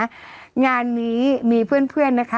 งานนี้มีเพื่อนนะคะ